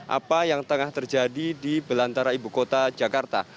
apa yang tengah terjadi di belantara ibu kota jakarta